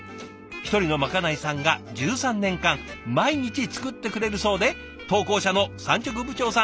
１人のまかないさんが１３年間毎日作ってくれるそうで投稿者の産直部長さん